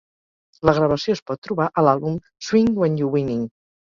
La gravació es pot trobar a l'àlbum "Swing When You Winning".